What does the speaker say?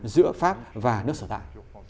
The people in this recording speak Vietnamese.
giữa pháp và nước sở tại